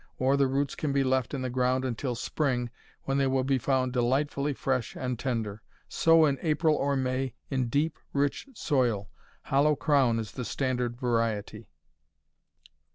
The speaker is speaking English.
Or the roots can be left in the ground until spring, when they will be found delightfully fresh and tender. Sow in April or May, in deep, rich soil. Hollow Crown is the standard variety.